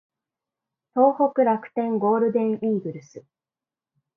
東北楽天ゴールデンイーグルス